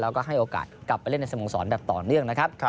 แล้วก็ให้โอกาสกลับไปเล่นในสโมสรแบบต่อเนื่องนะครับ